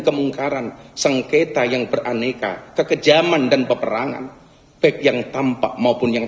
kemungkaran sengketa yang beraneka kekejaman dan peperangan baik yang tampak maupun yang